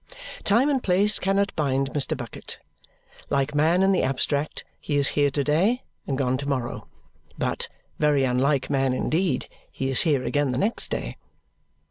Time and place cannot bind Mr. Bucket. Like man in the abstract, he is here to day and gone to morrow but, very unlike man indeed, he is here again the next day.